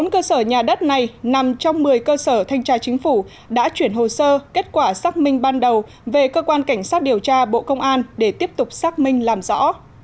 một mươi cơ sở nhà đất này nằm trong một mươi cơ sở thanh tra chính phủ đã chuyển hồ sơ kết quả xác minh ban đầu về cơ quan cảnh sát điều tra bộ công an để tiếp tục xác minh làm rõ